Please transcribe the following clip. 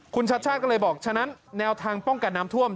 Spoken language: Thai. คุณชัชชาติก็เลยบอกฉะนั้นแนวทางป้องกันน้ำท่วม